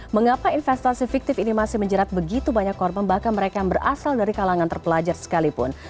mengapa investasi fiktif ini masih menjerat begitu banyak korban bahkan mereka yang berasal dari kalangan terpelajar sekalipun